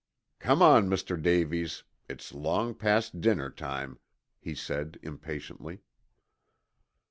"Come on, Mr. Davies. It's long past dinner time," he said impatiently.